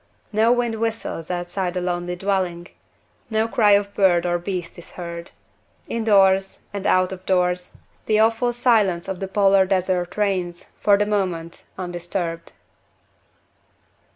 No wind whistles outside the lonely dwelling no cry of bird or beast is heard. Indoors, and out of doors, the awful silence of the Polar desert reigns, for the moment, undisturbed.